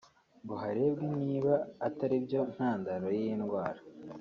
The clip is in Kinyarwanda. ngo harebwe niba atari byo ntandaro y’iyi ndwara